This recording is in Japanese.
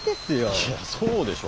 いやそうでしょ？